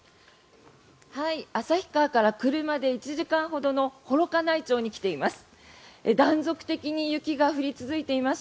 旭川から車で１時間ほどの幌加内町に来ています。